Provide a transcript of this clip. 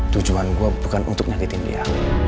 tujuan gue bukan untuk nyakitin dia